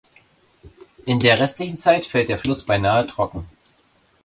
In der restlichen Zeit fällt der Fluss beinahe trocken.